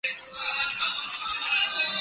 شاید آپ کو یہ بھی معلوم ہو